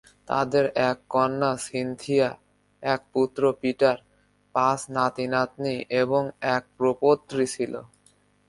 তাদের এক কন্যা সিনথিয়া, এক পুত্র পিটার, পাঁচ নাতিনাতনী এবং এক প্রপৌত্রী ছিল।